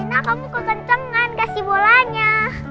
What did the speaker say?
reina kamu kekencangan gak sih bolanya